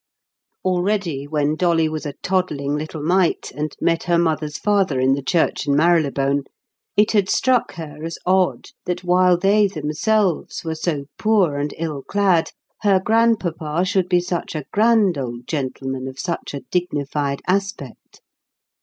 Already when Dolly was a toddling little mite and met her mother's father in the church in Marylebone, it had struck her as odd that while they themselves were so poor and ill clad, her grandpapa should be such a grand old gentleman of such a dignified aspect.